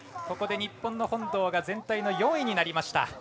ここで日本の本堂が全体の４位になりました。